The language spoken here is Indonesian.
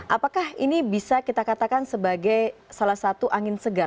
apakah ini bisa kita katakan sebagai salah satu angin segar